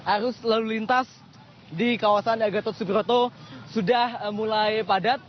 arus lalu lintas di kawasan gatot subroto sudah mulai padat